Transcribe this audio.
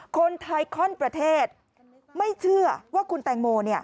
คนไทยข้อนประเทศไม่เชื่อว่าคุณแตงโม